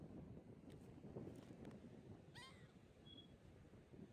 ድርፊት ወድ ዐዋቴ እምበል ሳትር ትወግር።